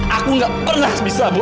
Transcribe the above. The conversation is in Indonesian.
aku gak pernah bisa bu